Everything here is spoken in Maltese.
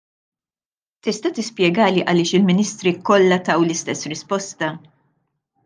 Tista' tispjegali għaliex il-Ministri kollha taw l-istess risposta!